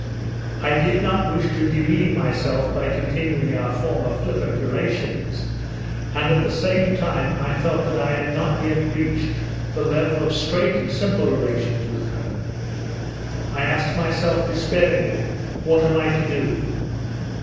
I did not wish to demean myself by continuing our former flippant relations, and at the same time I felt that I had not yet reached the level of straight and simple relations with her. I asked myself despairingly, "What am I to do?"